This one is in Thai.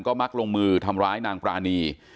มักลงมือทำร้ายนางปรานี